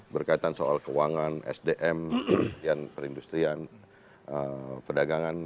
berkaitan soal keuangan sdm perindustrian perdagangan